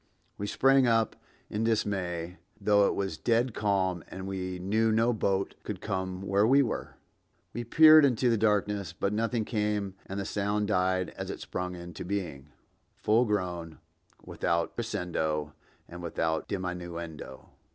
We sprang up in dismay, though it was dead calm and we knew no boat could come where we were. We peered into the darkness, but nothing came and the sound died as it sprung into being, full grown, without crescendo and without diminuendo.